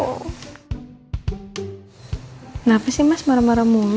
kenapa sih mas marah marah mung